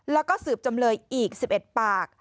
แล้วก็สืบจำเลยอีก๑๑ปาก